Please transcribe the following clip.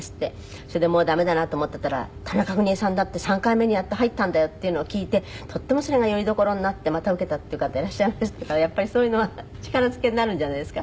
それでもう駄目だなと思ってたら「田中邦衛さんだって３回目にやっと入ったんだよ」っていうのを聞いてとってもそれがよりどころになってまた受けたっていう方いらっしゃいましたからやっぱりそういうのは力づけになるんじゃないですか？